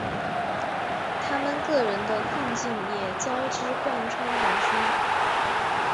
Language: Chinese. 他们个人的困境也交织贯穿本书。